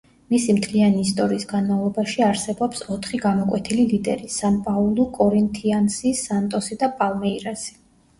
მისი მთლიანი ისტორიის განმავლობაში არსებობს ოთხი გამოკვეთილი ლიდერი: „სან-პაულუ“, „კორინთიანსი“, „სანტოსი“ და „პალმეირასი“.